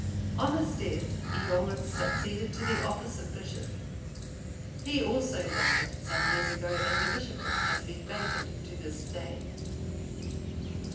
On his death, Eolla succeeded to the office of bishop. He also died some years ago, and the bishopric has been vacant to this day.